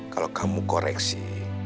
kalau kamu koreksi